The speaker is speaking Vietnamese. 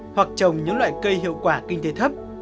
hoặc trồng những loại cây hiệu quả kinh tế thấp